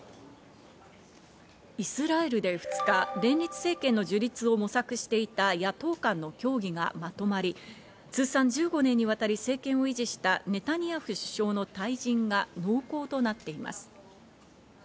イスラエルで２日、連立政権の樹立を模索していた野党間の協議がまとまり、通算１５年にわたり政権を維持したネタニヤフ首相の退陣が濃厚となっています。